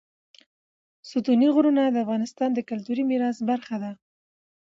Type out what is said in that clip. ستوني غرونه د افغانستان د کلتوري میراث برخه ده.